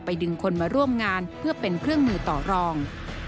ดึงคนมาร่วมงานเพื่อเป็นเครื่องมือต่อรอง